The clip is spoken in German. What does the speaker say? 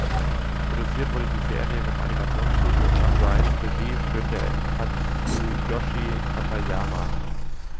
Produziert wurde die Serie vom Animationsstudio Sunrise, Regie führte Kazuyoshi Katayama.